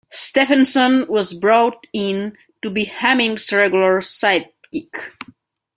Stephenson was brought in to be Hemmings' regular sidekick.